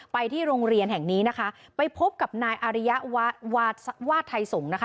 ไปที่โรงเรียนแห่งนี้นะคะไปพบกับนายอาริยวาไทยสงฆ์นะคะ